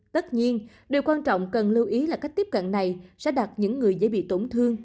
tất nhiên điều quan trọng cần lưu ý là cách tiếp cận này sẽ đặt những người dễ bị tổn thương